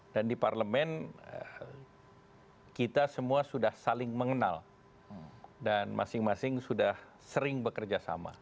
dan di parlemen kita semua sudah saling mengenal dan masing masing sudah sering bekerjasama